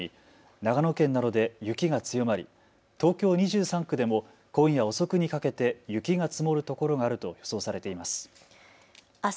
長野県などで雪が強まり東京２３区でも今夜遅くにかけて雪が積もるところがあると予想されています。